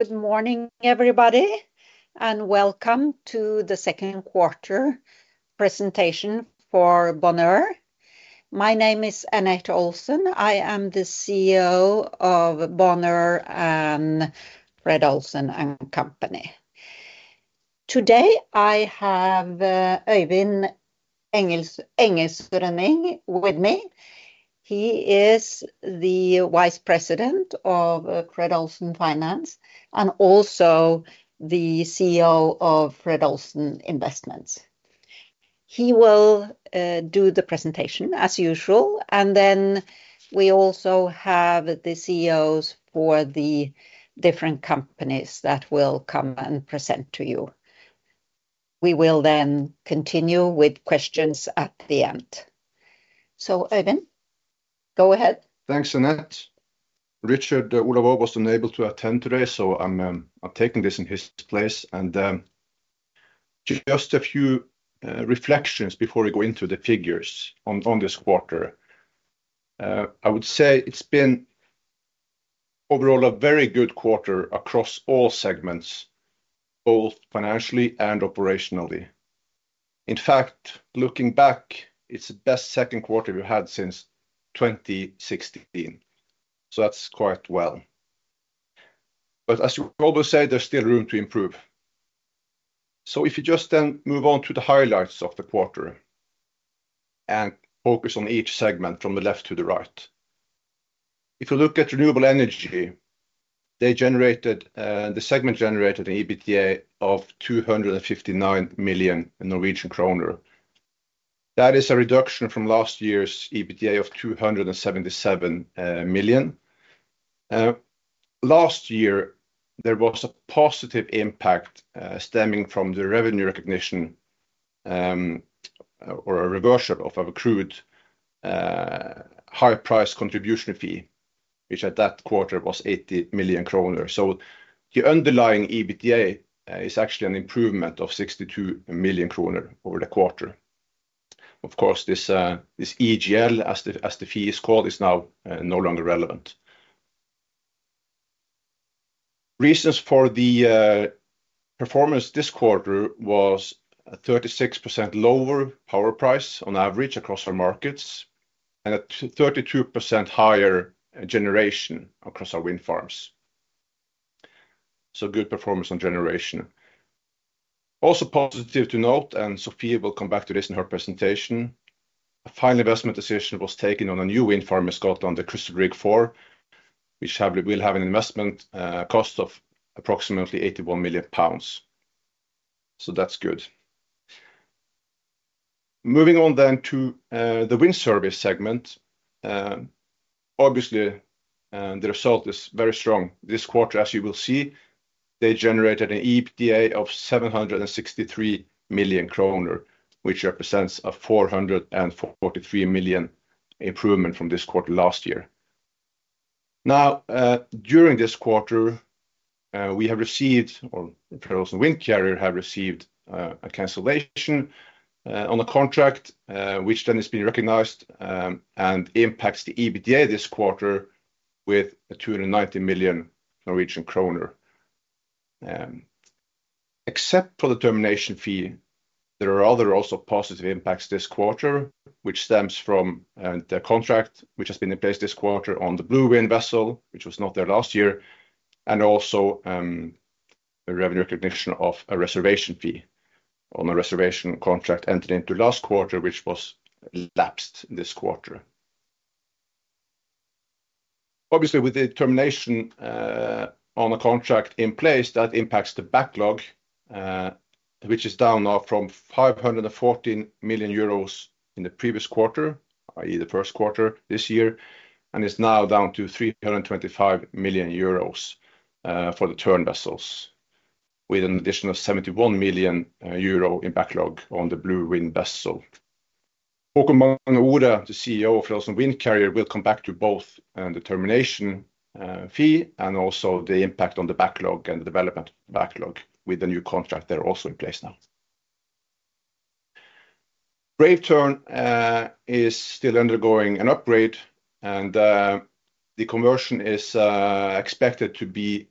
Good morning, everybody, and welcome to the second quarter presentation for Bonheur. My name is Anette Olsen. I am the CEO of Bonheur and Fred. Olsen & Co. Today I have Øyvind Engesrønning with me. He is the Vice President of Fred. Olsen Finance and also the CEO of Fred. Olsen Investments. He will do the presentation as usual, and then we also have the CEOs for the different companies that will come and present to you. We will then continue with questions at the end. So, Øyvind, go ahead. Thanks, Anette. Richard Olav Aa was unable to attend today, so I'm taking this in his place. Just a few reflections before we go into the figures on this quarter. I would say it's been overall a very good quarter across all segments, both financially and operationally. In fact, looking back, it's the best second quarter we've had since 2016. So that's quite well. But as you probably say, there's still room to improve. So if you just then move on to the highlights of the quarter and focus on each segment from the left to the right. If you look at renewable energy, the segment generated an EBITDA of 259 million. That is a reduction from last year's EBITDA of 277 million. Last year, there was a positive impact stemming from the revenue recognition or a reversal of our accrued higher price contribution fee, which at that quarter was 80 million kroner. So the underlying EBITDA is actually an improvement of 62 million kroner over the quarter. Of course, this EGL, as the fee is called, is now no longer relevant. Reasons for the performance this quarter was a 36% lower power price on average across our markets and a 32% higher generation across our wind farms. So good performance on generation. Also positive to note, and Sofie will come back to this in her presentation, a final investment decision was taken on a new wind farm in Scotland on the Crystal Rig IV, which will have an investment cost of approximately 81 million pounds. So that's good. Moving on then to the wind service segment. Obviously, the result is very strong this quarter, as you will see. They generated an EBITDA of 763 million kroner, which represents a 443 million improvement from this quarter last year. Now, during this quarter, we have received, or Fred. Olsen Windcarrier have received a cancellation on a contract, which then has been recognized and impacts the EBITDA this quarter with 290 million Norwegian kroner. Except for the termination fee, there are other also positive impacts this quarter, which stems from the contract which has been in place this quarter on the Blue Wind vessel, which was not there last year, and also a revenue recognition of a reservation fee on a reservation contract entered into last quarter, which was lapsed this quarter. Obviously, with the termination on a contract in place, that impacts the backlog, which is down now from 514 million euros in the previous quarter, i.e., the first quarter this year, and is now down to 325 million euros for the Tern vessels, with an additional 71 million euro in backlog on the Blue Wind vessel. Haakon Magne Ore, the CEO of Fred. Olsen Windcarrier, will come back to both the termination fee and also the impact on the backlog and the development backlog with the new contract that are also in place now. Brave Tern is still undergoing an upgrade, and the conversion is expected to be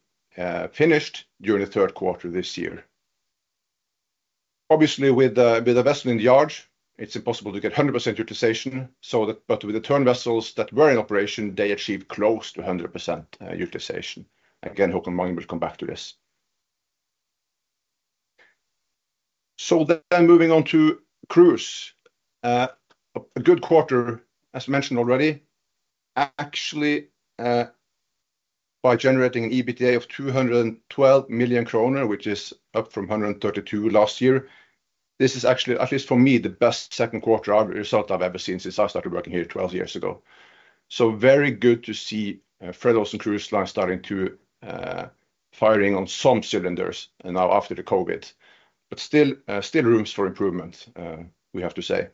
finished during the third quarter this year. Obviously, with a vessel in the yard, it's impossible to get 100% utilization, but with the Tern vessels that were in operation, they achieved close to 100% utilization. Again, Haakon Magne will come back to this. So then moving on to cruise. A good quarter, as mentioned already, actually by generating an EBITDA of 212 million kroner, which is up from 132 million last year. This is actually, at least for me, the best second quarter result I've ever seen since I started working here 12 years ago. So very good to see Fred. Olsen Cruise Lines starting to firing on some cylinders now after the COVID, but still rooms for improvement, we have to say.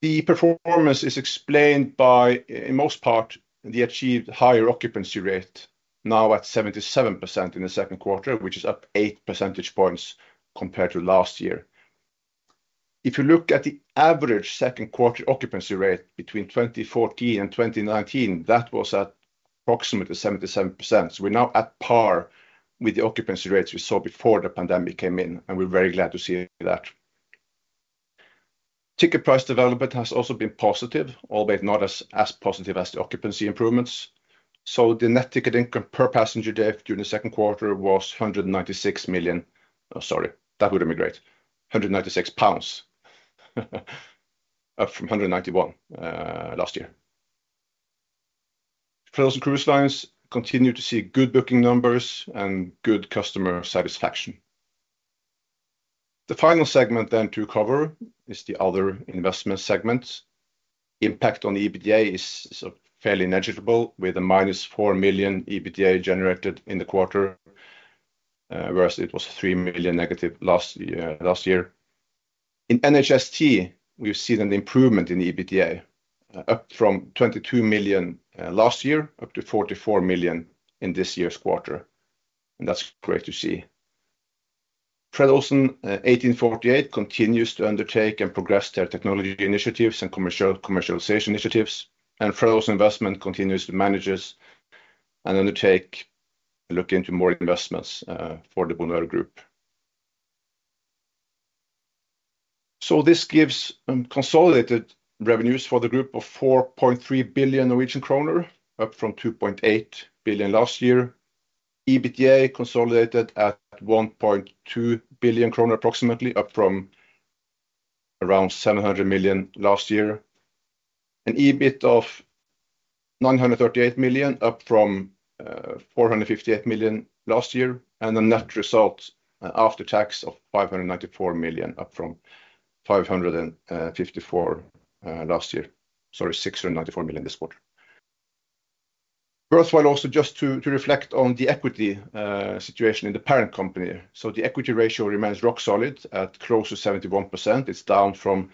The performance is explained by, in most part, the achieved higher occupancy rate now at 77% in the second quarter, which is up eight percentage points compared to last year. If you look at the average second quarter occupancy rate between 2014 and 2019, that was at approximately 77%. We're now at par with the occupancy rates we saw before the pandemic came in, and we're very glad to see that. Ticket price development has also been positive, albeit not as positive as the occupancy improvements. The net ticket income per passenger day during the second quarter was 196. Sorry, that would increase 196 pounds from 191 last year. Fred. Olsen Cruise Lines continue to see good booking numbers and good customer satisfaction. The final segment then to cover is the other investment segments. Impact on EBITDA is fairly negligible with a minus 4 million EBITDA generated in the quarter, whereas it was 3 million negative last year. In NHST, we've seen an improvement in EBITDA up from 22 million last year up to 44 million in this year's quarter, and that's great to see. Fred. Olsen 1848 continues to undertake and progress their technology initiatives and commercialization initiatives, and Fred. Olsen Investments continues to manage and undertake a look into more investments for the Bonheur Group. So this gives consolidated revenues for the group of 4.3 billion Norwegian kroner, up from 2.8 billion last year. EBITDA consolidated at 1.2 billion kroner approximately, up from around 700 million last year. An EBIT of 938 million, up from 458 million last year, and a net result after tax of 594 million, up from 554 million last year. Sorry, 694 million this quarter. Worthwhile also just to reflect on the equity situation in the parent company. So the equity ratio remains rock solid at close to 71%. It's down from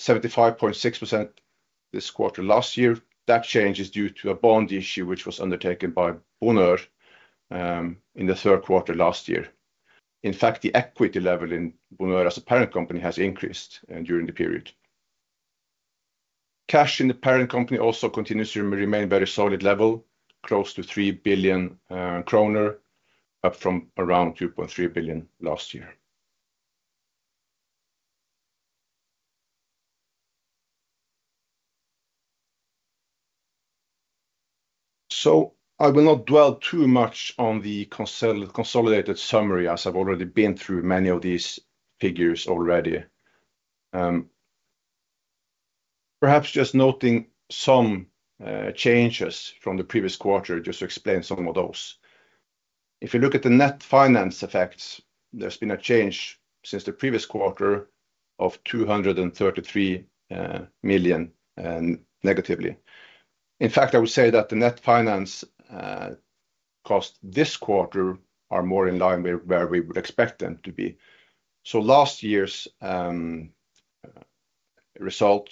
75.6% this quarter last year. That change is due to a bond issue which was undertaken by Bonheur in the third quarter last year. In fact, the equity level in Bonheur as a parent company has increased during the period. Cash in the parent company also continues to remain very solid level, close to 3 billion kroner, up from around 2.3 billion last year. So I will not dwell too much on the consolidated summary as I've already been through many of these figures already. Perhaps just noting some changes from the previous quarter just to explain some of those. If you look at the net finance effects, there's been a change since the previous quarter of 233 million negatively. In fact, I would say that the net finance costs this quarter are more in line with where we would expect them to be. So last year's result,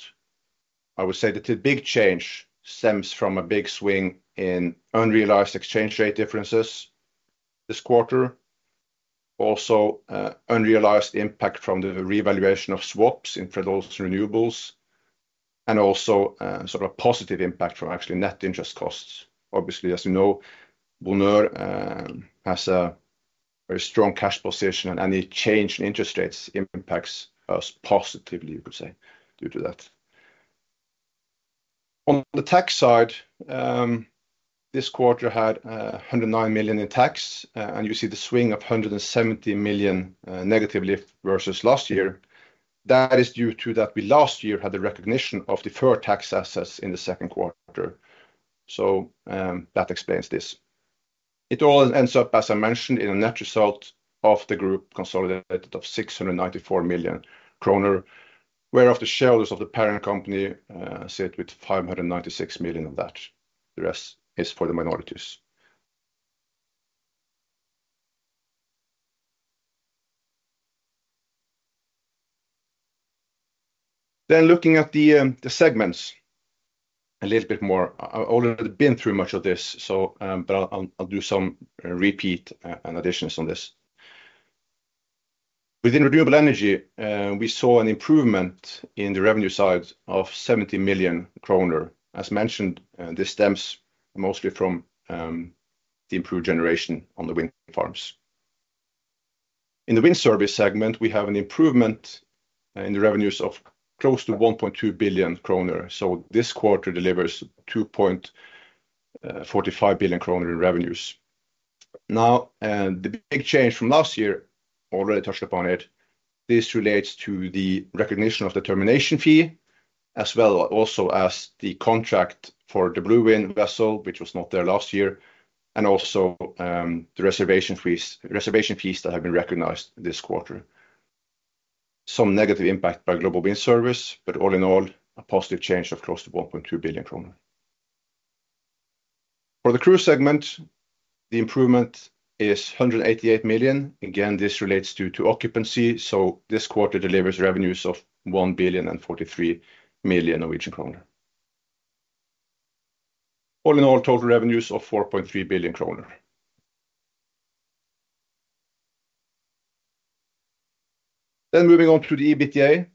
I would say that the big change stems from a big swing in unrealized exchange rate differences this quarter. Also, unrealized impact from the revaluation of swaps in Fred. Olsen Renewables and also sort of a positive impact from actually net interest costs. Obviously, as you know, Bonheur has a very strong cash position and any change in interest rates impacts us positively, you could say, due to that. On the tax side, this quarter had 109 million in tax and you see the swing of 170 million negatively versus last year. That is due to that we last year had the recognition of deferred tax assets in the second quarter. So that explains this. It all ends up, as I mentioned, in a net result of the group consolidated of 694 million kroner, whereof the shares of the parent company sit with 596 million of that. The rest is for the minorities. Then looking at the segments a little bit more, I've already been through much of this, but I'll do some repeat and additions on this. Within renewable energy, we saw an improvement in the revenue side of 70 million kroner. As mentioned, this stems mostly from the improved generation on the wind farms. In the wind service segment, we have an improvement in the revenues of close to 1.2 billion kroner. So this quarter delivers 2.45 billion kroner in revenues. Now, the big change from last year, already touched upon it, this relates to the recognition of the termination fee as well also as the contract for the Blue Wind vessel, which was not there last year, and also the reservation fees that have been recognized this quarter. Some negative impact by Global Wind Service, but all in all, a positive change of close to 1.2 billion kroner. For the cruise segment, the improvement is 188 million. Again, this relates to occupancy. So this quarter delivers revenues of 1 billion and 43 million. All in all, total revenues of 4.3 billion kroner. Then moving on to the EBITDA,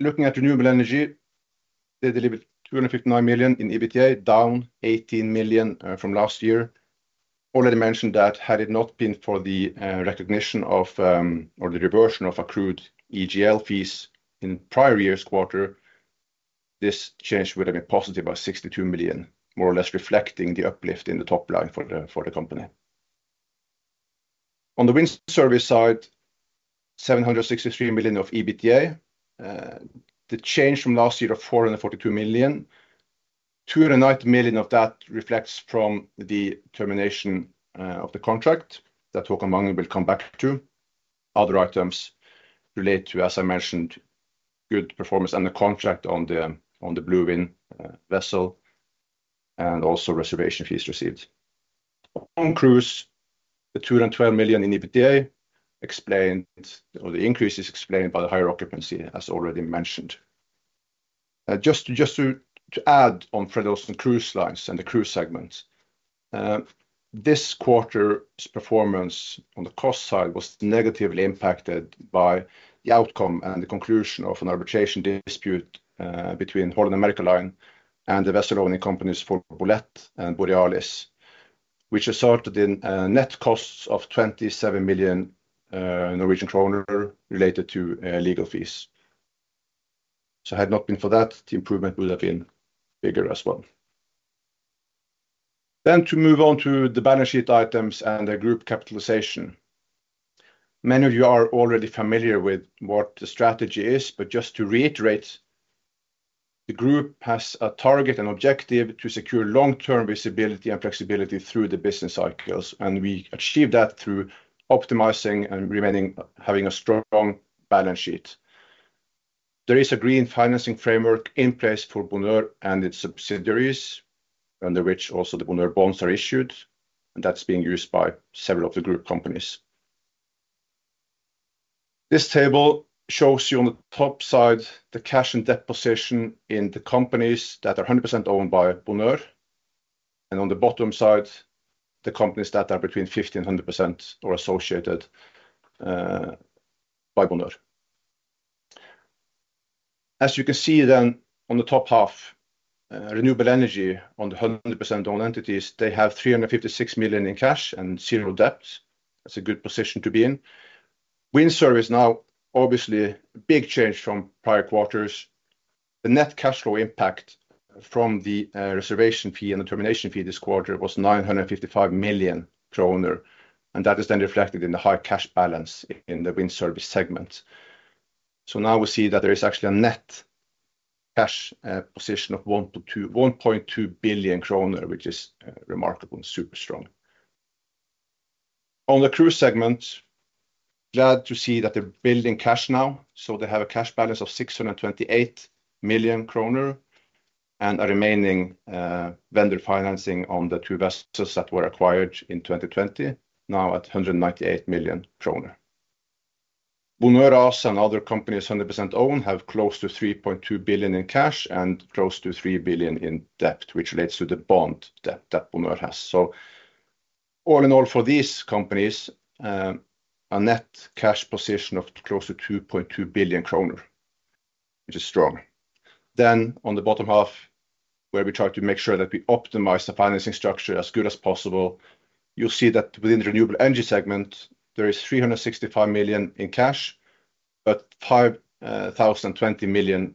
looking at renewable energy, they delivered 259 million in EBITDA, down 18 million from last year. Already mentioned that had it not been for the recognition of or the reversion of accrued EGL fees in prior year's quarter, this change would have been positive by 62 million, more or less reflecting the uplift in the top line for the company. On the wind service side, 763 million of EBITDA, the change from last year of 442 million, 290 million of that reflects from the termination of the contract that Haakon Magne will come back to. Other items relate to, as I mentioned, good performance and the contract on the Blue Wind vessel and also reservation fees received. On cruise, the 212 million in EBITDA explained or the increase is explained by the higher occupancy, as already mentioned. Just to add on Fred. Olsen Cruise Lines and the cruise segment, this quarter's performance on the cost side was negatively impacted by the outcome and the conclusion of an arbitration dispute between Holland America Line and the vessel owning companies for Bolette and Borealis, which resulted in net costs of 27 million Norwegian kroner related to legal fees. So had it not been for that, the improvement would have been bigger as well. Then to move on to the balance sheet items and the group capitalization. Many of you are already familiar with what the strategy is, but just to reiterate, the group has a target and objective to secure long-term visibility and flexibility through the business cycles, and we achieve that through optimizing and having a strong balance sheet. There is a green financing framework in place for Bonheur and its subsidiaries, under which also the Bonheur bonds are issued, and that's being used by several of the group companies. This table shows you on the top side the cash and deposits in the companies that are 100% owned by Bonheur, and on the bottom side, the companies that are between 50 and 100% or associated by Bonheur. As you can see then on the top half, renewable energy on the 100% owned entities, they have 356 million in cash and zero debt. That's a good position to be in. Wind Service now, obviously a big change from prior quarters. The net cash flow impact from the reservation fee and the termination fee this quarter was 955 million kroner, and that is then reflected in the high cash balance in the Wind Service segment. So now we see that there is actually a net cash position of 1.2 billion kroner, which is remarkable and super strong. On the cruise segment, glad to see that they're building cash now. So they have a cash balance of 628 million kroner and a remaining vendor financing on the two vessels that were acquired in 2020, now at 198 million kroner. Bonheur ASA and other companies 100% own have close to 3.2 billion in cash and close to 3 billion in debt, which relates to the bond debt that Bonheur has. So all in all for these companies, a net cash position of close to 2.2 billion kroner, which is strong. Then on the bottom half, where we try to make sure that we optimize the financing structure as good as possible, you'll see that within the renewable energy segment, there is 365 million in cash, but 5,020 million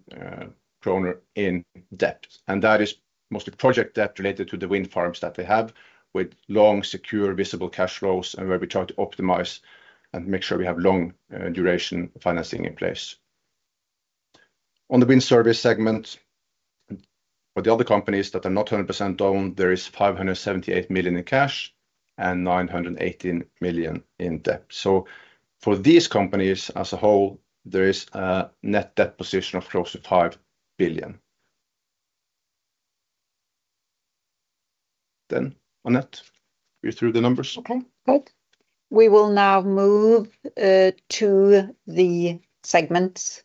kroner in debt. And that is mostly project debt related to the wind farms that they have with long, secure, visible cash flows and where we try to optimize and make sure we have long duration financing in place. On the wind service segment, for the other companies that are not 100% owned, there is 578 million in cash and 918 million in debt. So for these companies as a whole, there is a net debt position of close to 5 billion. Then, Anette, are you through the numbers? Okay, good. We will now move to the segments,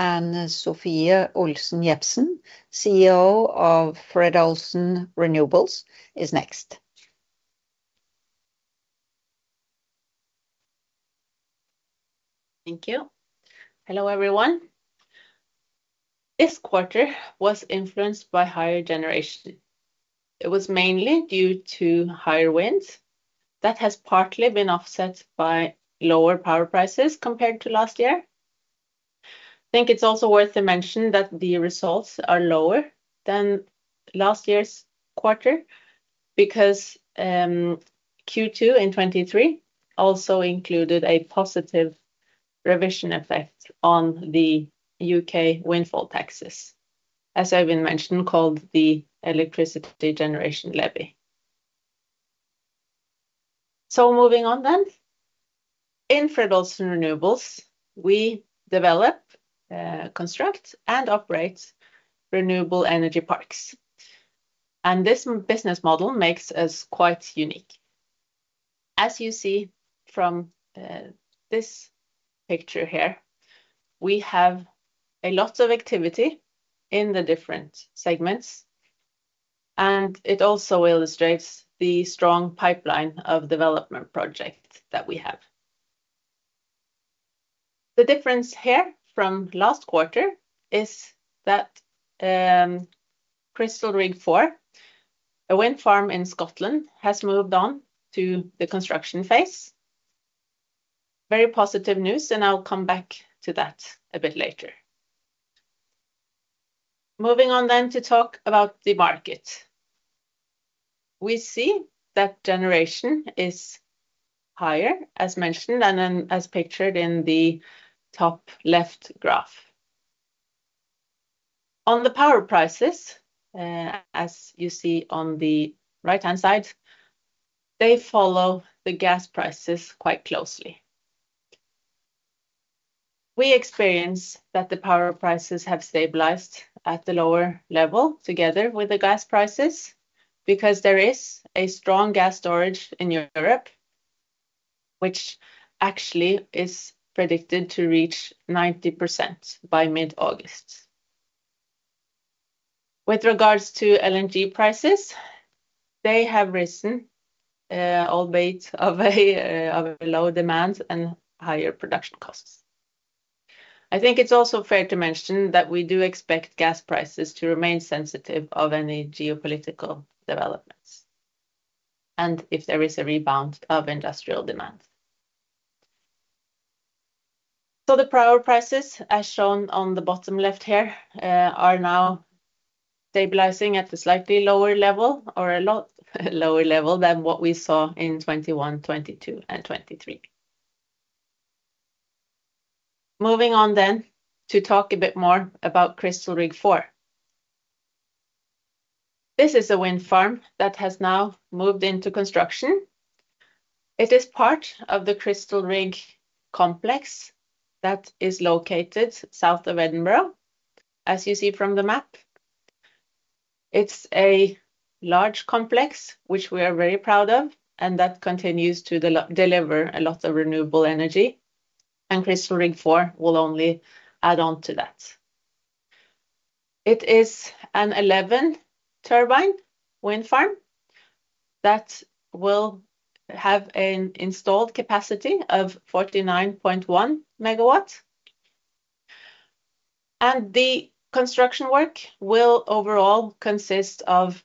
and Sofie Olsen Jebsen, CEO of Fred. Olsen Renewables, is next. Thank you. Hello everyone. This quarter was influenced by higher generation. It was mainly due to higher winds that have partly been offset by lower power prices compared to last year. I think it's also worth to mention that the results are lower than last year's quarter because Q2 in 2023 also included a positive revision effect on the UK windfall taxes, as I've mentioned, called the Electricity Generation Levy. So moving on then, in Fred. Olsen Renewables, we develop, construct, and operate renewable energy parks. And this business model makes us quite unique. As you see from this picture here, we have a lot of activity in the different segments, and it also illustrates the strong pipeline of development projects that we have. The difference here from last quarter is that Crystal Rig IV, a wind farm in Scotland, has moved on to the construction phase. Very positive news, and I'll come back to that a bit later. Moving on then to talk about the market. We see that generation is higher, as mentioned and as pictured in the top left graph. On the power prices, as you see on the right-hand side, they follow the gas prices quite closely. We experience that the power prices have stabilized at the lower level together with the gas prices because there is a strong gas storage in Europe, which actually is predicted to reach 90% by mid-August. With regards to LNG prices, they have risen, albeit of a low demand and higher production costs. I think it's also fair to mention that we do expect gas prices to remain sensitive to any geopolitical developments and if there is a rebound of industrial demand. So the power prices, as shown on the bottom left here, are now stabilizing at a slightly lower level or a lot lower level than what we saw in 2021, 2022, and 2023. Moving on then to talk a bit more about Crystal Rig IV. This is a wind farm that has now moved into construction. It is part of the Crystal Rig complex that is located south of Edinburgh, as you see from the map. It's a large complex, which we are very proud of, and that continues to deliver a lot of renewable energy, and Crystal Rig IV will only add on to that. It is an 11-turbine wind farm that will have an installed capacity of 49.1 MW. The construction work will overall consist of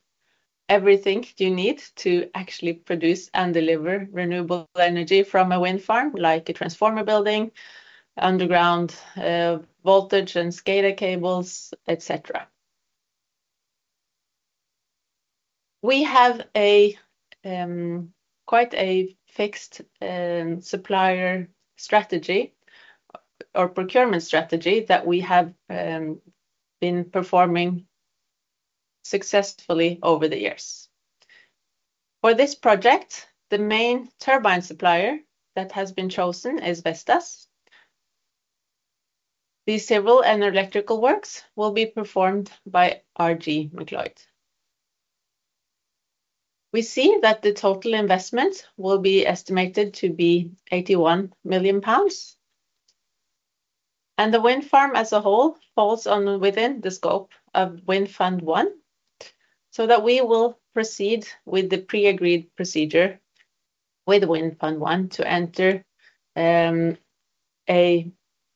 everything you need to actually produce and deliver renewable energy from a wind farm like a transformer building, underground voltage and SCADA cables, etc. We have quite a fixed supplier strategy or procurement strategy that we have been performing successfully over the years. For this project, the main turbine supplier that has been chosen is Vestas. These civil and electrical works will be performed by RJ McLeod. We see that the total investment will be estimated to be 81 million pounds. And the wind farm as a whole falls within the scope of Wind Fund I, so that we will proceed with the pre-agreed procedure with Wind Fund I to enter a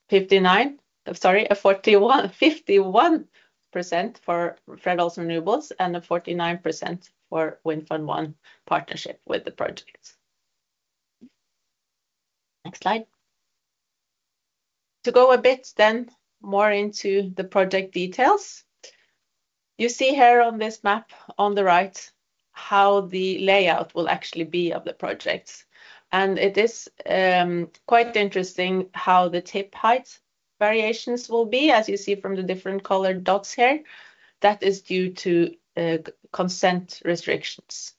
59, sorry, a 51% for Fred. Olsen Renewables and a 49% for Wind Fund I partnership with the project. Next slide. To go a bit then more into the project details, you see here on this map on the right how the layout will actually be of the projects. It is quite interesting how the tip height variations will be, as you see from the different colored dots here. That is due to consent restrictions.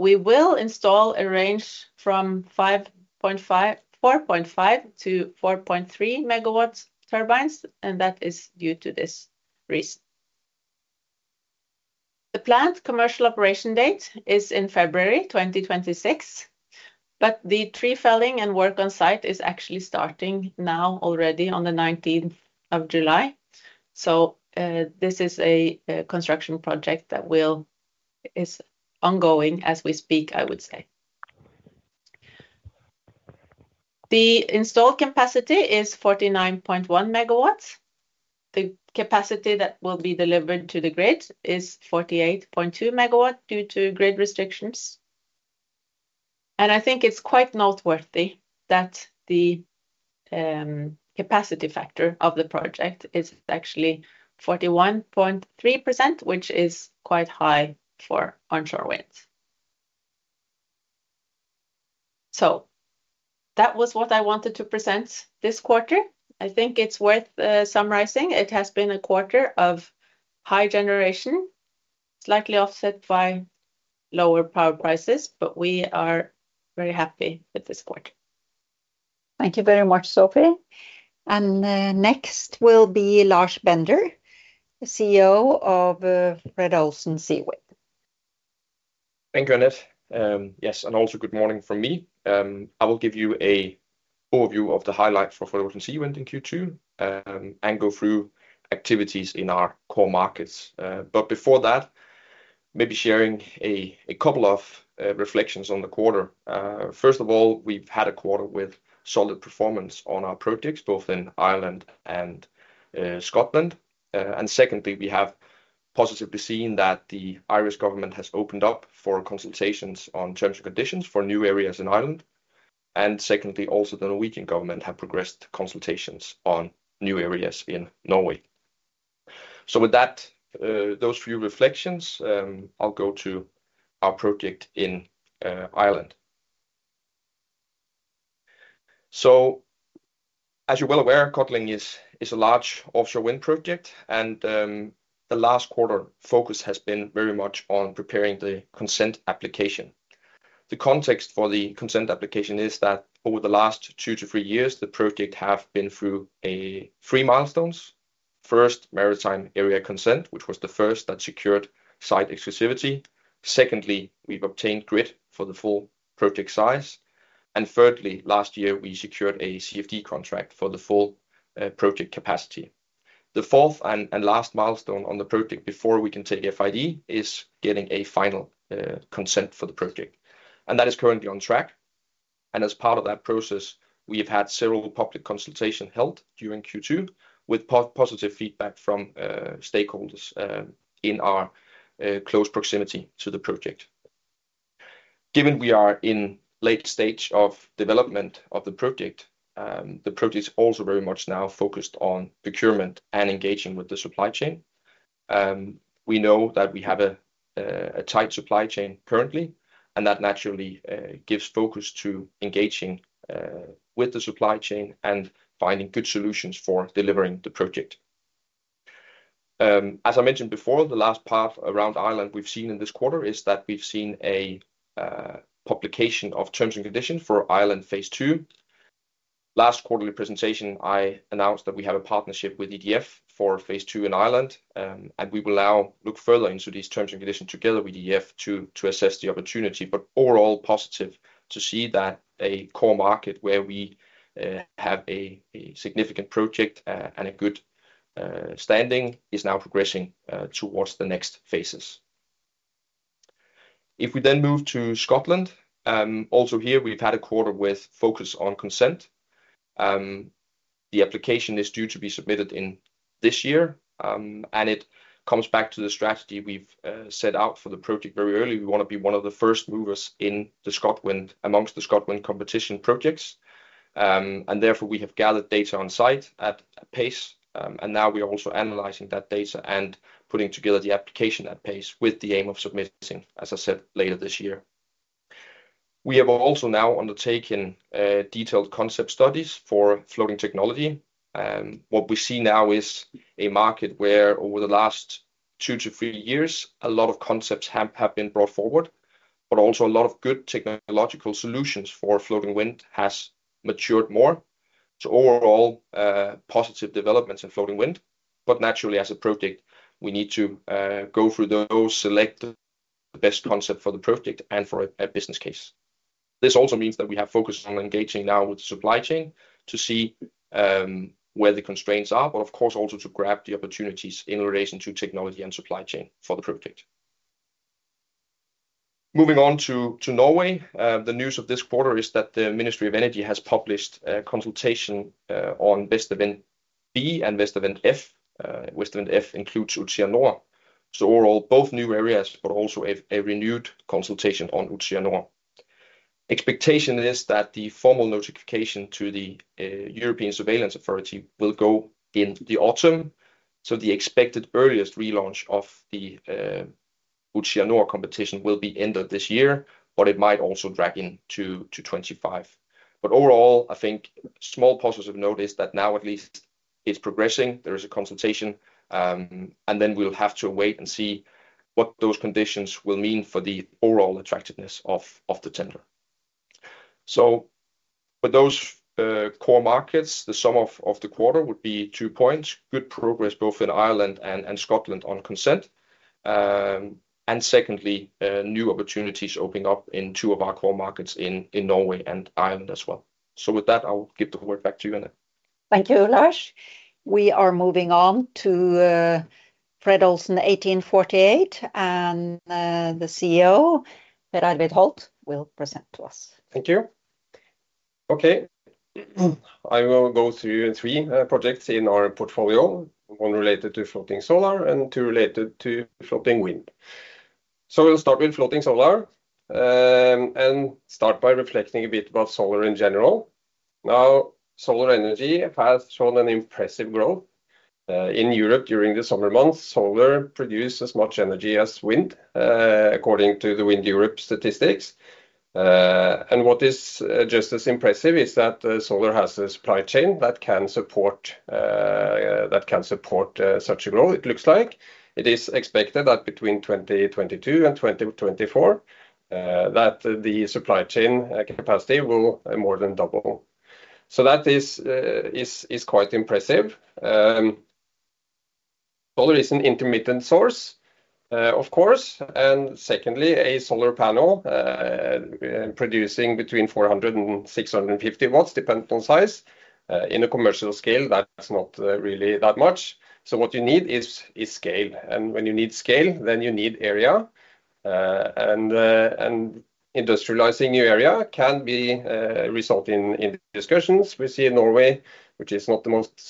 We will install a range from 4.5-4.3 MW turbines, and that is due to this reason. The planned commercial operation date is in February 2026, but the tree felling and work on site is actually starting now already on the 19th of July. This is a construction project that is ongoing as we speak, I would say. The installed capacity is 49.1 MW. The capacity that will be delivered to the grid is 48.2 MW due to grid restrictions. I think it's quite noteworthy that the capacity factor of the project is actually 41.3%, which is quite high for onshore winds. That was what I wanted to present this quarter. I think it's worth summarizing. It has been a quarter of high generation, slightly offset by lower power prices, but we are very happy with this quarter. Thank you very much, Sofie. Next will be Lars Bender, the CEO of Fred. Olsen Seawind. Thank you, Anette. Yes, also good morning from me. I will give you an overview of the highlights for Fred. Olsen Seawind in Q2 and go through activities in our core markets. Before that, maybe sharing a couple of reflections on the quarter. First of all, we've had a quarter with solid performance on our projects, both in Ireland and Scotland. And secondly, we have positively seen that the Irish government has opened up for consultations on terms and conditions for new areas in Ireland. And secondly, also the Norwegian government has progressed consultations on new areas in Norway. So with those few reflections, I'll go to our project in Ireland. So as you're well aware, Codling is a large offshore wind project, and the last quarter focus has been very much on preparing the consent application. The context for the consent application is that over the last two to three years, the project has been through three milestones. First, Maritime Area Consent, which was the first that secured site exclusivity. Secondly, we've obtained grid for the full project size. And thirdly, last year, we secured a CFD contract for the full project capacity. The fourth and last milestone on the project before we can take FID is getting a final consent for the project. That is currently on track. As part of that process, we have had several public consultations held during Q2 with positive feedback from stakeholders in our close proximity to the project. Given we are in the late stage of development of the project, the project is also very much now focused on procurement and engaging with the supply chain. We know that we have a tight supply chain currently, and that naturally gives focus to engaging with the supply chain and finding good solutions for delivering the project. As I mentioned before, the last part around Ireland we've seen in this quarter is that we've seen a publication of terms and conditions for Ireland phase two. Last quarterly presentation, I announced that we have a partnership with EDF for phase two in Ireland, and we will now look further into these terms and conditions together with EDF to assess the opportunity. Overall, positive to see that a core market where we have a significant project and a good standing is now progressing towards the next phases. If we then move to Scotland, also here we've had a quarter with focus on consent. The application is due to be submitted in this year, and it comes back to the strategy we've set out for the project very early. We want to be one of the first movers amongst the Scotland competition projects. Therefore, we have gathered data on site at pace. Now we are also analyzing that data and putting together the application at pace with the aim of submitting, as I said, later this year. We have also now undertaken detailed concept studies for floating technology. What we see now is a market where over the last two to three years, a lot of concepts have been brought forward, but also a lot of good technological solutions for floating wind have matured more. So overall, positive developments in floating wind. But naturally, as a project, we need to go through those, select the best concept for the project and for a business case. This also means that we have focused on engaging now with the supply chain to see where the constraints are, but of course, also to grab the opportunities in relation to technology and supply chain for the project. Moving on to Norway, the news of this quarter is that the Ministry of Energy has published a consultation on Vestavind B and Vestavind F. Vestavind F includes Utsira Nord. So overall, both new areas, but also a renewed consultation on Utsira Nord. Expectation is that the formal notification to the European Surveillance Authority will go in the autumn. So the expected earliest relaunch of the Utsira Nord competition will be ended this year, but it might also drag into 2025. But overall, I think small positive note is that now at least it's progressing. There is a consultation, and then we'll have to wait and see what those conditions will mean for the overall attractiveness of the tender. So with those core markets, the sum of the quarter would be two points: good progress both in Ireland and Scotland on consent. And secondly, new opportunities opening up in two of our core markets in Norway and Ireland as well. So with that, I'll give the floor back to you, Anette. Thank you, Lars. We are moving on to Fred. Olsen 1848, and the CEO, Per Arvid Holt, will present to us. Thank you. Okay, I will go through three projects in our portfolio: one related to floating solar and two related to floating wind. So we'll start with floating solar and start by reflecting a bit about solar in general. Now, solar energy has shown an impressive growth in Europe during the summer months. Solar produces as much energy as wind, according to the WindEurope statistics. And what is just as impressive is that solar has a supply chain that can support such a growth. It looks like it is expected that between 2022 and 2024, the supply chain capacity will more than double. So that is quite impressive. Solar is an intermittent source, of course. And secondly, a solar panel producing between 400-650 watts depends on size. In a commercial scale, that's not really that much. So what you need is scale. And when you need scale, then you need area. And industrializing new area can result in discussions. We see in Norway, which is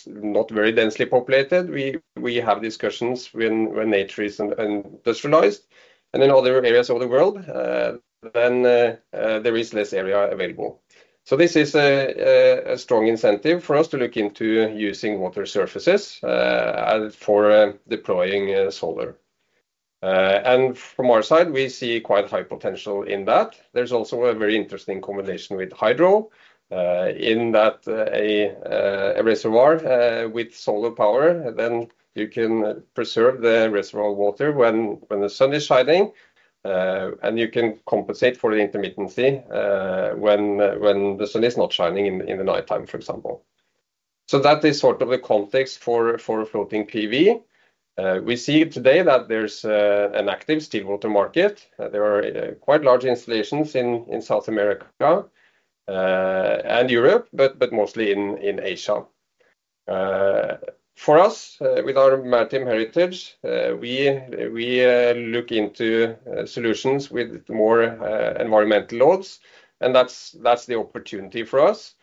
not very densely populated, we have discussions when nature is industrialized. And in other areas of the world, then there is less area available. So this is a strong incentive for us to look into using water surfaces for deploying solar. And from our side, we see quite high potential in that. There's also a very interesting combination with hydro. In a reservoir with solar power, then you can preserve the reservoir water when the sun is shining, and you can compensate for the intermittency when the sun is not shining in the nighttime, for example. So that is sort of the context for floating PV. We see today that there's an active still water market. There are quite large installations in South America and Europe, but mostly in Asia. For us, with our maritime heritage, we look into solutions with more environmental loads. That's the opportunity for us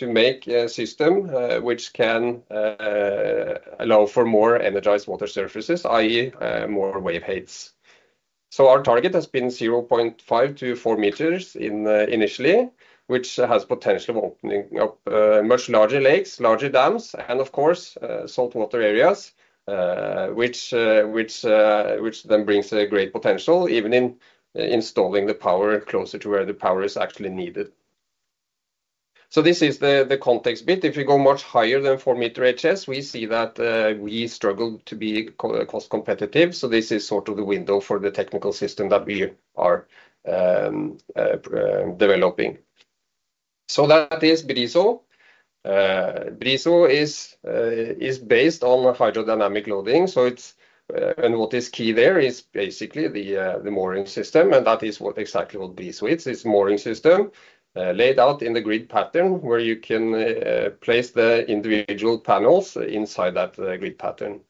to make a system which can allow for more energized water surfaces, i.e., more wave heights. So our target has been 0.5-4 meters initially, which has potential of opening up much larger lakes, larger dams, and of course, saltwater areas, which then brings a great potential even in installing the power closer to where the power is actually needed. So this is the context bit. If you go much higher than 4-meter Hs, we see that we struggle to be cost competitive. So this is sort of the window for the technical system that we are developing. So that is BRIZO. BRIZO is based on hydrodynamic loading. So what is key there is basically the mooring system. And that is exactly what BRIZO is. It's a mooring system laid out in the grid pattern where you can place the individual panels inside that grid pattern.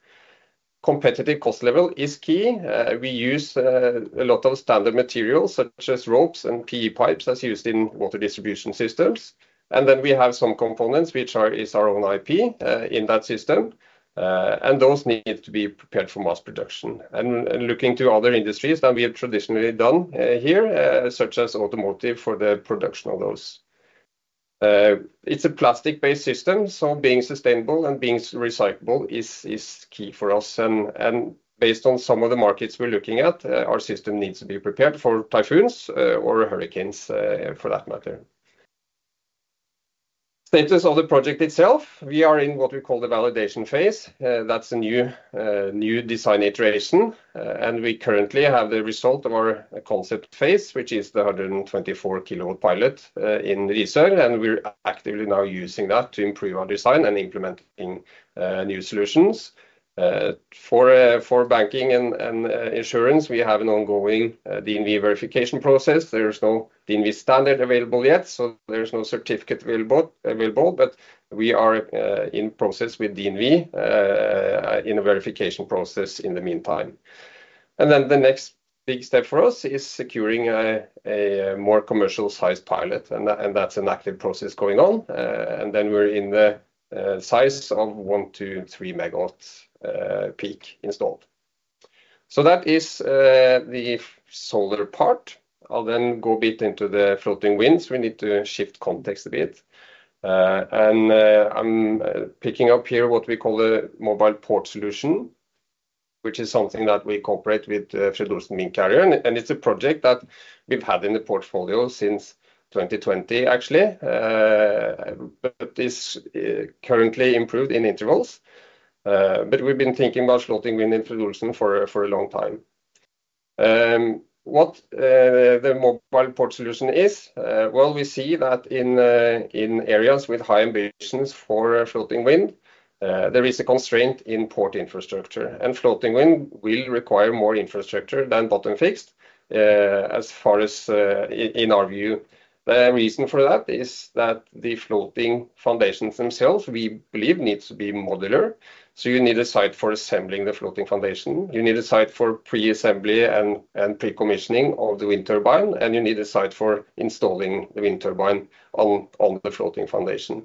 Competitive cost level is key. We use a lot of standard materials such as ropes and PE pipes as used in water distribution systems. And then we have some components which are our own IP in that system. And those need to be prepared for mass production. And looking to other industries than we have traditionally done here, such as automotive for the production of those. It's a plastic-based system. So being sustainable and being recyclable is key for us. And based on some of the markets we're looking at, our system needs to be prepared for typhoons or hurricanes for that matter. Status of the project itself, we are in what we call the validation phase. That's a new design iteration. And we currently have the result of our concept phase, which is the 124 kW pilot in Risør. And we're actively now using that to improve our design and implementing new solutions. For banking and insurance, we have an ongoing DNV verification process. There is no DNV standard available yet, so there is no certificate available. But we are in process with DNV in a verification process in the meantime. The next big step for us is securing a more commercial-sized pilot. And that's an active process going on. And then we're in the size of 1-3 megawatts peak installed. So that is the solar part. I'll then go a bit into the floating winds. We need to shift context a bit. I'm picking up here what we call a Mobile Port Solution, which is something that we cooperate with Fred. Olsen Windcarrier. And it's a project that we've had in the portfolio since 2020, actually. But it's currently improved in intervals. But we've been thinking about floating wind in Fred. Olsen for a long time. What the Mobile Port Solution is, well, we see that in areas with high ambitions for floating wind, there is a constraint in port infrastructure. Floating wind will require more infrastructure than bottom fixed, as far as, in our view. The reason for that is that the floating foundations themselves, we believe, need to be modular. You need a site for assembling the floating foundation. You need a site for pre-assembly and pre-commissioning of the wind turbine. You need a site for installing the wind turbine on the floating foundation.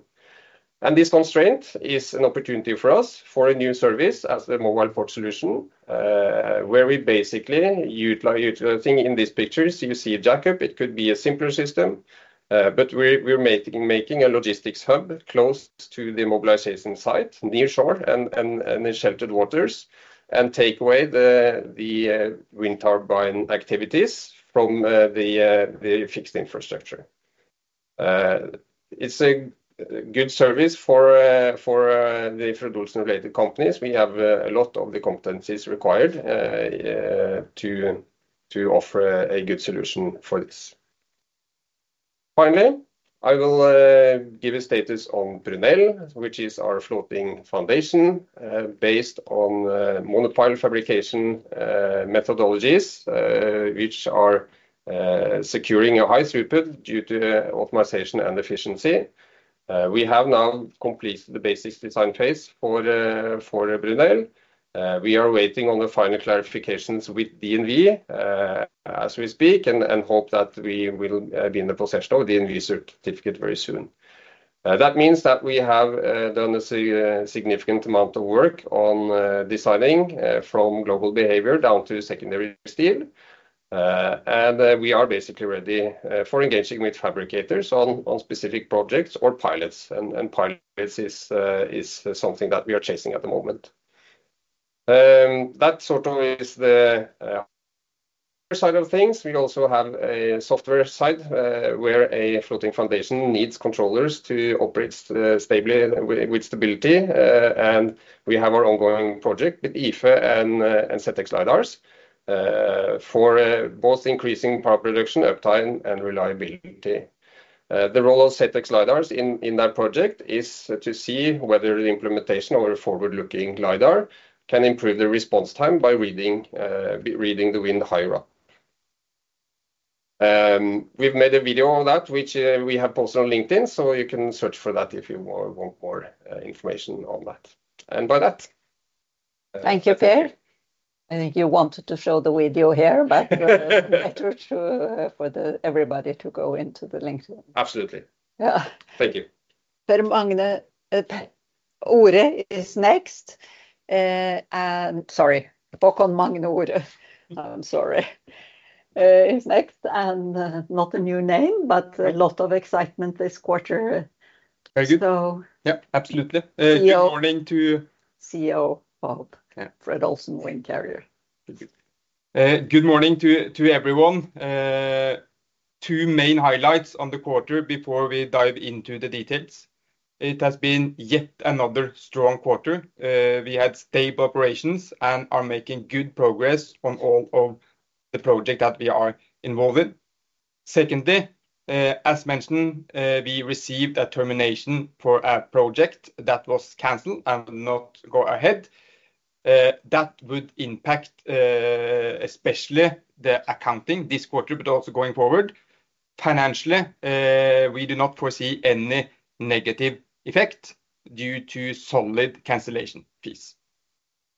This constraint is an opportunity for us for a new service as the Mobile Port Solution, where we basically utilizing, in this picture, you see a jack-up. It could be a simpler system. But we're making a logistics hub close to the mobilization site, near shore and in sheltered waters, and take away the wind turbine activities from the fixed infrastructure. It's a good service for the Fred. Olsen-related companies. We have a lot of the competencies required to offer a good solution for this. Finally, I will give a status on BRUNEL, which is our floating foundation based on monopile fabrication methodologies, which are securing a high throughput due to optimization and efficiency. We have now completed the basic design phase for BRUNEL. We are waiting on the final clarifications with DNV as we speak and hope that we will be in the possession of the DNV certificate very soon. That means that we have done a significant amount of work on designing from global behavior down to secondary steel. We are basically ready for engaging with fabricators on specific projects or pilots. Pilots is something that we are chasing at the moment. That sort of is the software side of things. We also have a software side where a floating foundation needs controllers to operate with stability. We have our ongoing project with IFE and ZX Lidars for both increasing power production, uptime, and reliability. The role of ZX Lidars in that project is to see whether the implementation of a forward-looking Lidar can improve the response time by reading the wind higher up. We've made a video of that, which we have posted on LinkedIn. So you can search for that if you want more information on that. And by that. Thank you, Per. I think you wanted to show the video here, but better for everybody to go into the LinkedIn. Absolutely. Yeah. Thank you. Per Magne Ore is next. And sorry, Haakon Magne Ore. I'm sorry. He's next. And not a new name, but a lot of excitement this quarter. Very good. So. Yeah, absolutely. Good morning to– CEO of Fred. Olsen Windcarrier. Good morning to everyone. Two main highlights on the quarter before we dive into the details. It has been yet another strong quarter. We had stable operations and are making good progress on all of the projects that we are involved in. Secondly, as mentioned, we received a termination for a project that was canceled and not go ahead. That would impact especially the accounting this quarter, but also going forward. Financially, we do not foresee any negative effect due to solid cancellation fees.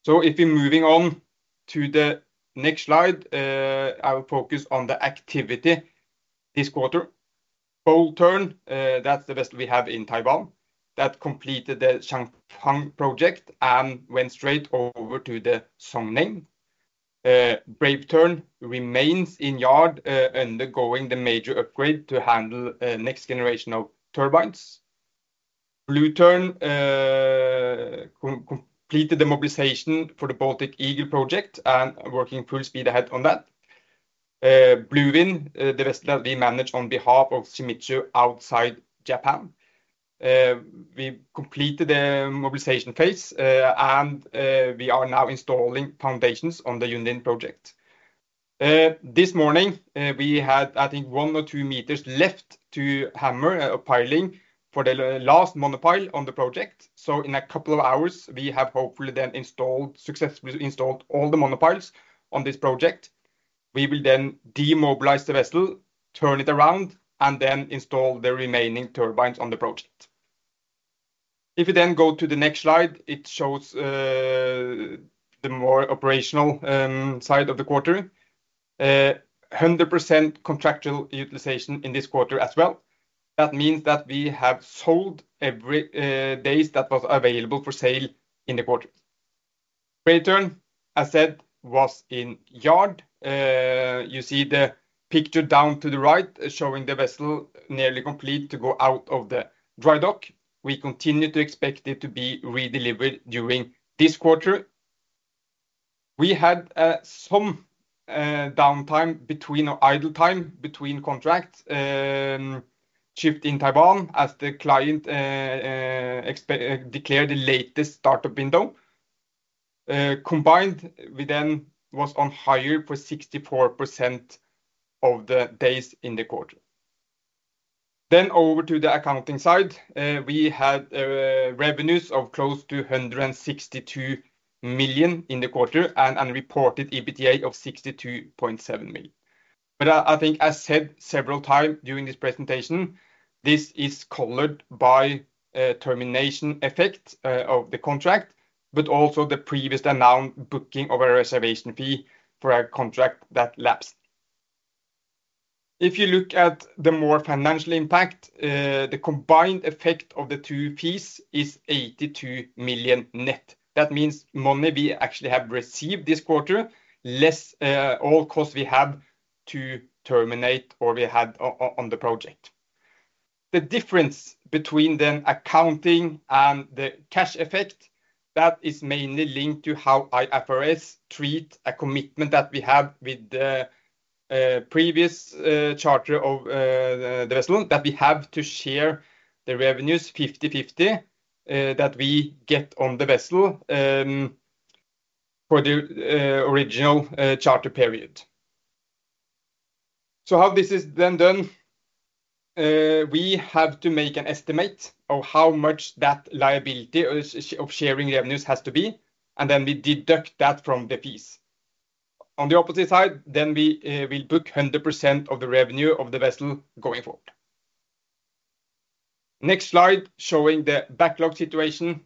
So if we're moving on to the next slide, I will focus on the activity this quarter. Bold Tern, that's the best we have in Taiwan, that completed the Changfang project and went straight over to the Zhong Neng. Brave Tern remains in yard undergoing the major upgrade to handle next generation of turbines. Blue Tern completed the mobilization for the Baltic Eagle project and working full speed ahead on that. Blue Wind, the best that we managed on behalf of Shimizu outside Japan. We completed the mobilization phase and we are now installing foundations on the Yunlin project. This morning, we had, I think, one or two meters left to hammer a piling for the last monopile on the project. So in a couple of hours, we have hopefully then successfully installed all the monopiles on this project. We will then demobilize the vessel, turn it around, and then install the remaining turbines on the project. If we then go to the next slide, it shows the more operational side of the quarter. 100% contractual utilization in this quarter as well. That means that we have sold every day that was available for sale in the quarter. Brave Tern, as said, was in yard. You see the picture down to the right showing the vessel nearly complete to go out of the dry dock. We continue to expect it to be redelivered during this quarter. We had some downtime between our idle time between contract shift in Taiwan as the client declared the latest startup window. Combined, we then was on hire for 64% of the days in the quarter. Then over to the accounting side, we had revenues of close to 162 million in the quarter and reported EBITDA of 62.7 million. But I think I said several times during this presentation, this is colored by termination effect of the contract, but also the previously announced booking of a reservation fee for a contract that lapsed. If you look at the more financial impact, the combined effect of the two fees is 82 million net. That means money we actually have received this quarter, less all costs we have to terminate or we had on the project. The difference between then accounting and the cash effect, that is mainly linked to how IFRS treat a commitment that we have with the previous charter of the vessel, that we have to share the revenues 50/50 that we get on the vessel for the original charter period. So how this is then done, we have to make an estimate of how much that liability of sharing revenues has to be. Then we deduct that from the fees. On the opposite side, then we will book 100% of the revenue of the vessel going forward. Next slide showing the backlog situation.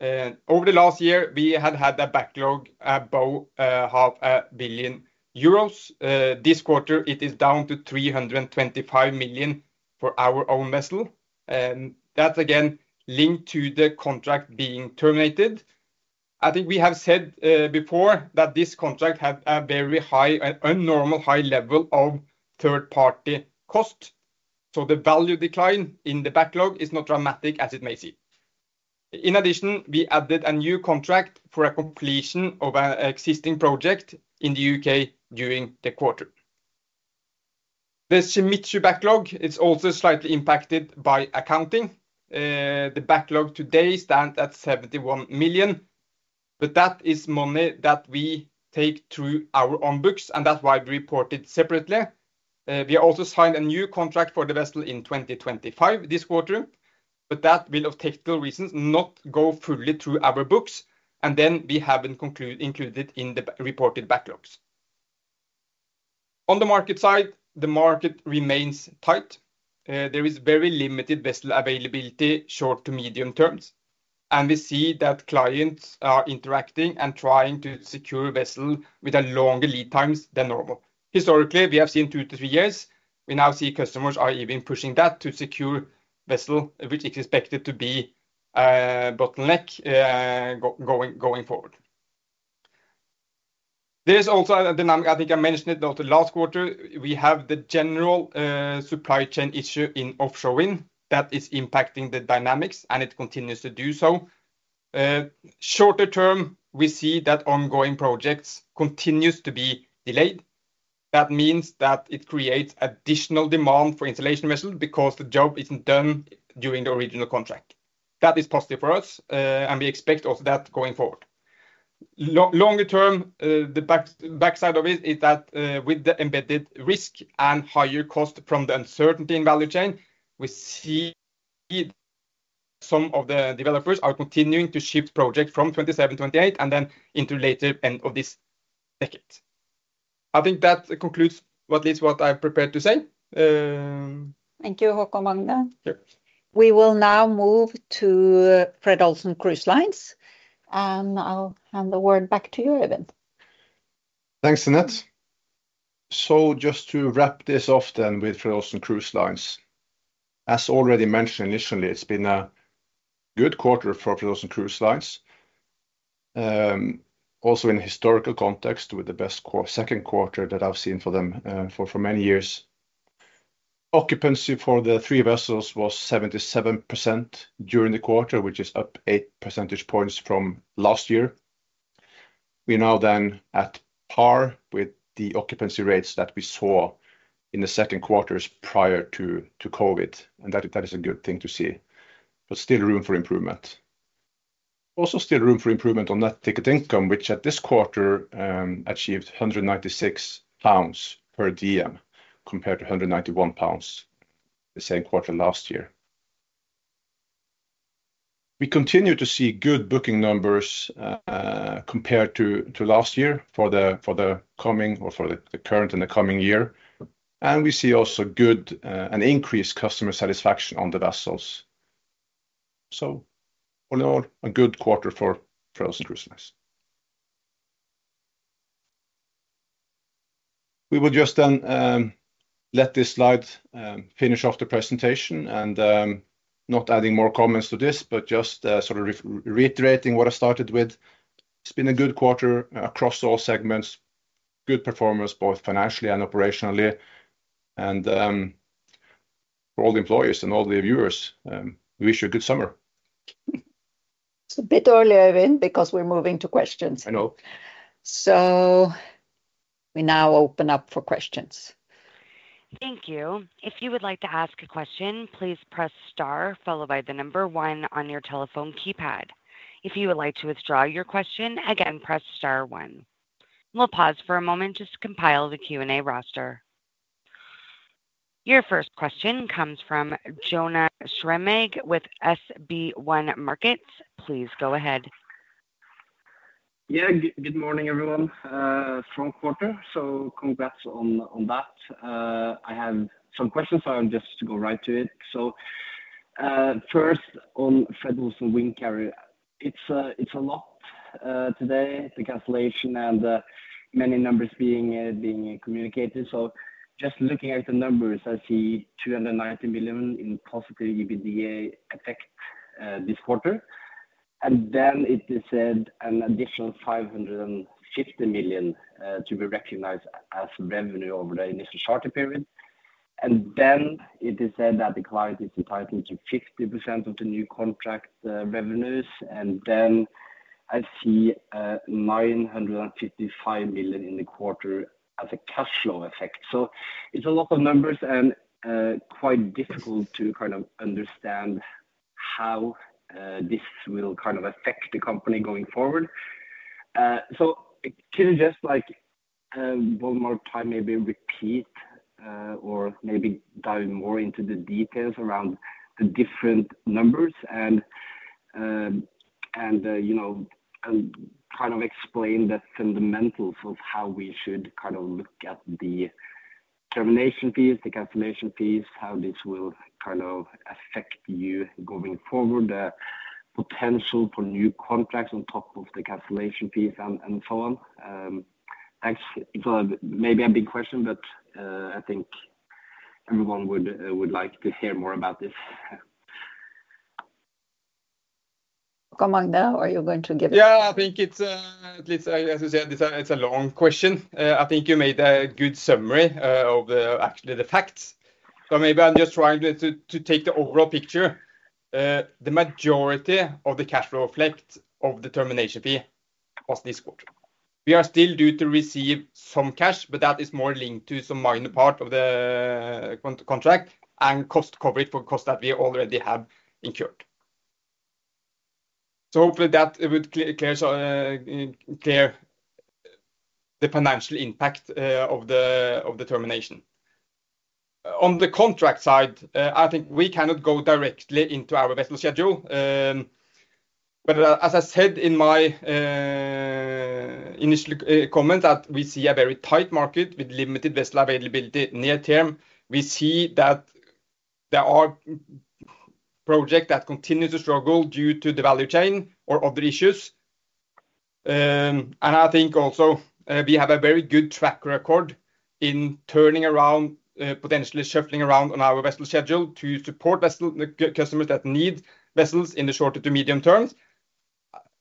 Over the last year, we had had that backlog above 500 million euros. This quarter, it is down to 325 million for our own vessel. That's again linked to the contract being terminated. I think we have said before that this contract had a very high, a normal high level of third-party cost. So the value decline in the backlog is not dramatic as it may seem. In addition, we added a new contract for a completion of an existing project in the UK during the quarter. The Shimizu backlog is also slightly impacted by accounting. The backlog today stands at 71 million. But that is money that we take through our own books. And that's why we reported separately. We also signed a new contract for the vessel in 2025 this quarter. But that will, of technical reasons, not go fully through our books. And then we haven't included it in the reported backlogs. On the market side, the market remains tight. There is very limited vessel availability short to medium terms. And we see that clients are interacting and trying to secure vessel with a longer lead times than normal. Historically, we have seen 2-3 years. We now see customers are even pushing that to secure vessel, which is expected to be a bottleneck going forward. There's also a dynamic, I think I mentioned it last quarter. We have the general supply chain issue in offshore wind that is impacting the dynamics, and it continues to do so. Shorter term, we see that ongoing projects continue to be delayed. That means that it creates additional demand for installation vessel because the job isn't done during the original contract. That is positive for us, and we expect also that going forward. Longer term, the backside of it is that with the embedded risk and higher cost from the uncertainty in value chain, we see some of the developers are continuing to shift projects from 2027-2028 and then into later end of this decade. I think that concludes what leads what I've prepared to say. Thank you, Haakon Magne. We will now move to Fred. Olsen Cruise Lines, and I'll hand the word back to you, Øyvind. Thanks, Anette. So just to wrap this off then with Fred. Olsen Cruise Lines. As already mentioned initially, it's been a good quarter for Fred. Olsen Cruise Lines. Also in a historical context with the best second quarter that I've seen for them for many years. Occupancy for the three vessels was 77% during the quarter, which is up eight percentage points from last year. We're now then at par with the occupancy rates that we saw in the second quarters prior to COVID. That is a good thing to see. But still room for improvement. Also still room for improvement on that ticket income, which at this quarter achieved 196 pounds per DM compared to 191 pounds the same quarter last year. We continue to see good booking numbers compared to last year for the coming or for the current and the coming year. And we see also good and increased customer satisfaction on the vessels. All in all, a good quarter for Fred. Olsen Cruise Lines. We will just then let this slide finish off the presentation and not adding more comments to this, but just sort of reiterating what I started with. It's been a good quarter across all segments. Good performance both financially and operationally. And for all the employees and all the viewers, we wish you a good summer. It's a bit early, Øyvind, because we're moving to questions. I know. So we now open up for questions. Thank you. If you would like to ask a question, please press star followed by the number one on your telephone keypad. If you would like to withdraw your question, again, press star one. We'll pause for a moment just to compile the Q&A roster. Your first question comes from Jonas Fremming with SpareBank 1 Markets. Please go ahead. Yeah, good morning everyone. strong quarter. So congrats on that. I have some questions, so I'll just go right to it. First on Fred. Olsen Windcarrier, it's a lot today, the cancellation and many numbers being communicated. Just looking at the numbers, I see 290 million in positive EBITDA effect this quarter. And then it is said an additional 550 million to be recognized as revenue over the initial charter period. And then it is said that the client is entitled to 50% of the new contract revenues. And then I see 955 million in the quarter as a cash flow effect. It's a lot of numbers and quite difficult to kind of understand how this will kind of affect the company going forward. So could you just like one more time maybe repeat or maybe dive more into the details around the different numbers and kind of explain the fundamentals of how we should kind of look at the termination fees, the cancellation fees, how this will kind of affect you going forward, the potential for new contracts on top of the cancellation fees and so on? That's maybe a big question, but I think everyone would like to hear more about this. Haakon Magne, are you going to give it? Yeah, I think it's, as I said, it's a long question. I think you made a good summary of actually the facts. So maybe I'm just trying to take the overall picture. The majority of the cash flow effect of the termination fee was this quarter. We are still due to receive some cash, but that is more linked to some minor part of the contract and cost coverage for costs that we already have incurred. So hopefully that would clear the financial impact of the termination. On the contract side, I think we cannot go directly into our vessel schedule. But as I said in my initial comment, that we see a very tight market with limited vessel availability near term. We see that there are projects that continue to struggle due to the value chain or other issues. And I think also we have a very good track record in turning around, potentially shuffling around on our vessel schedule to support vessel customers that need vessels in the short to medium terms.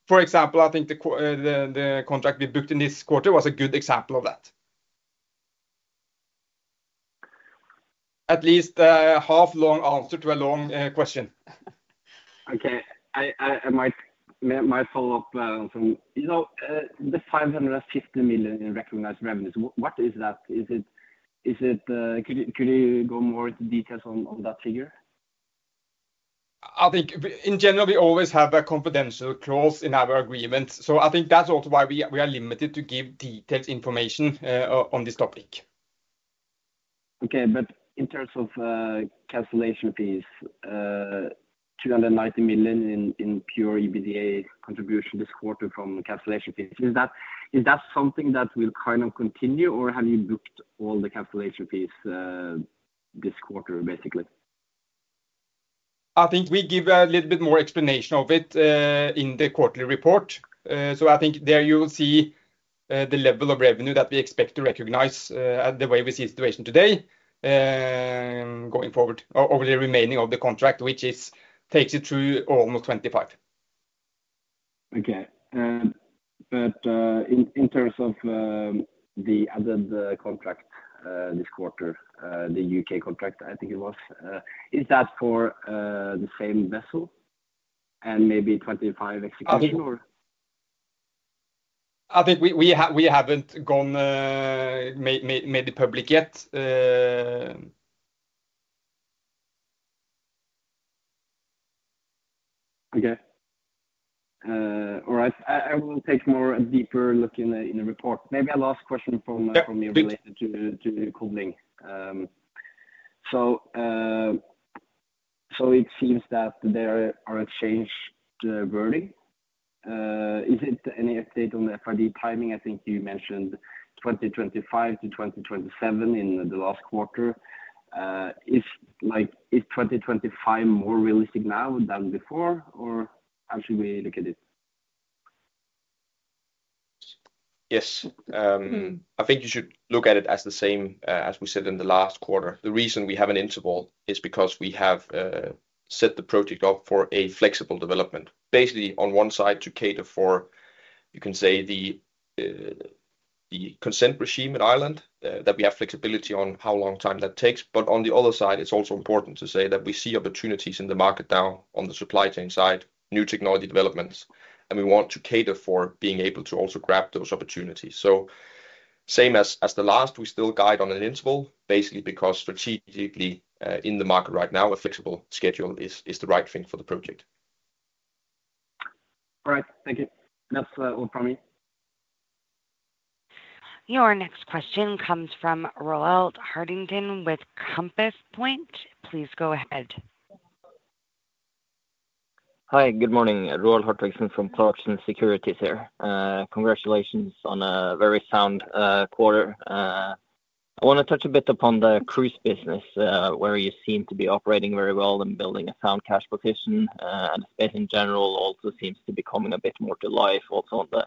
For example, I think the contract we booked in this quarter was a good example of that. At least a half long answer to a long question. Okay, I might follow up. The 550 million in recognized revenues, what is that? Is it, could you go more into details on that figure? I think in general, we always have a confidential clause in our agreement. So I think that's also why we are limited to give detailed information on this topic. Okay, but in terms of cancellation fees, 290 million in pure EBITDA contribution this quarter from cancellation fees, is that something that will kind of continue or have you booked all the cancellation fees this quarter basically? I think we give a little bit more explanation of it in the quarterly report. So I think there you will see the level of revenue that we expect to recognize the way we see the situation today going forward over the remaining of the contract, which takes it through almost 2025. Okay, but in terms of the added contract this quarter, the UK contract, I think it was, is that for the same vessel and maybe 2025 execution or? I think we haven't made it public yet. Okay. All right. I will take a deeper look in the report. Maybe a last question from you related to Codling. So it seems that there are a change to the wording. Is it any update on the FID timing? I think you mentioned 2025 to 2027 in the last quarter. Is 2025 more realistic now than before or how should we look at it? Yes. I think you should look at it as the same as we said in the last quarter. The reason we have an interval is because we have set the project up for a flexible development. Basically on one side to cater for, you can say, the consent regime in Ireland that we have flexibility on how long time that takes. But on the other side, it's also important to say that we see opportunities in the market now on the supply chain side, new technology developments, and we want to cater for being able to also grab those opportunities. So same as the last, we still guide on an interval basically because strategically in the market right now, a flexible schedule is the right thing for the project. All right. Thank you. That's all from me. Your next question comes from Roald Hartvigsen with Compass Point. Please go ahead. Hi, good morning. Roald Hartvigsen from Clarksons Securities here. Congratulations on a very sound quarter. I want to touch a bit upon the cruise business where you seem to be operating very well and building a sound cash position. Space in general also seems to be coming a bit more to life also on the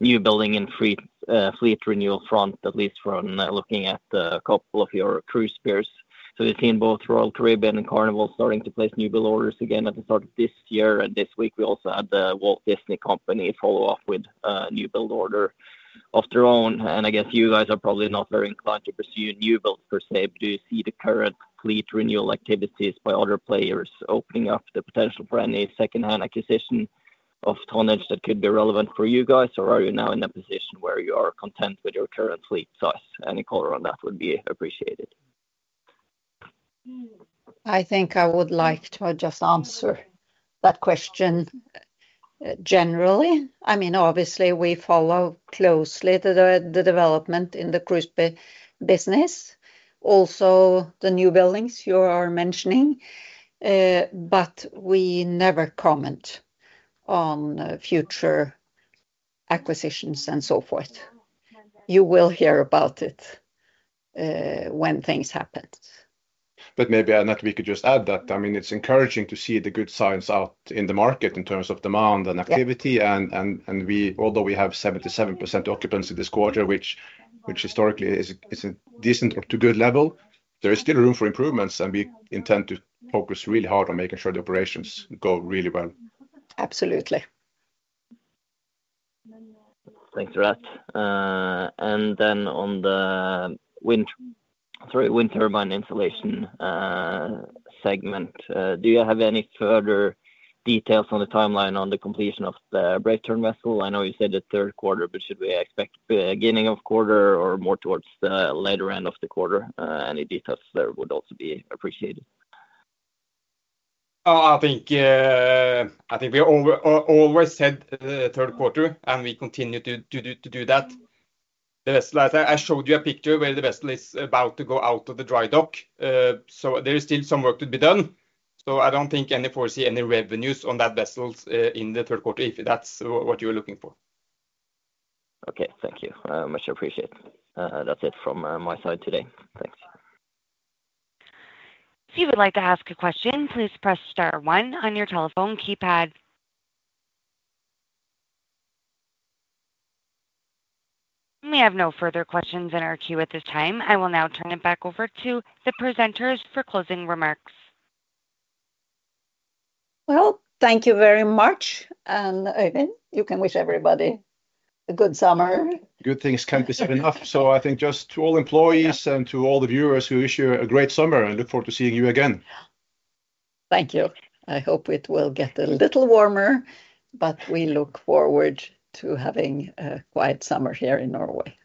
new building and fleet renewal front, at least from looking at a couple of your cruise peers. We've seen both Royal Caribbean and Carnival starting to place new build orders again at the start of this year. This week, we also had the Walt Disney Company follow up with a new build order of their own. I guess you guys are probably not very inclined to pursue newbuilds per se, but do you see the current fleet renewal activities by other players opening up the potential for any second-hand acquisition of tonnage that could be relevant for you guys? Or are you now in a position where you are content with your current fleet size? Any color on that would be appreciated. I think I would like to just answer that question generally. I mean, obviously, we follow closely the development in the cruise business. Also, the newbuildings you are mentioning, but we never comment on future acquisitions and so forth. You will hear about it when things happen. Maybe Anette, we could just add that. I mean, it's encouraging to see the good signs out in the market in terms of demand and activity. And although we have 77% occupancy this quarter, which historically is a decent or too good level, there is still room for improvements. And we intend to focus really hard on making sure the operations go really well. Absolutely. Thanks for that. And then on the wind turbine installation segment, do you have any further details on the timeline on the completion of the Brave Tern vessel? I know you said the third quarter, but should we expect beginning of quarter or more towards the later end of the quarter? Any details there would also be appreciated. I think we always said third quarter, and we continue to do that. The vessel, I showed you a picture where the vessel is about to go out of the dry dock. So there is still some work to be done. So I don't think any foresee any revenues on that vessel in the third quarter if that's what you're looking for. Okay, thank you. I much appreciate it. That's it from my side today. Thanks. If you would like to ask a question, please press star one on your telephone keypad. We have no further questions in our queue at this time. I will now turn it back over to the presenters for closing remarks. Well, thank you very much. And Øyvind, you can wish everybody a good summer. Good things can't be said enough. So I think just to all employees and to all the viewers who wish you a great summer and look forward to seeing you again. Thank you. I hope it will get a little warmer, but we look forward to having a quiet summer here in Norway.